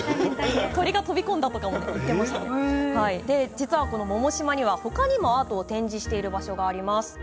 実は、百島には他にもアートを展示している場所があります。